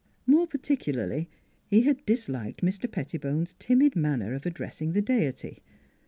More particularly he had disliked Mr. Pettibone's timid manner of addressing the Deity.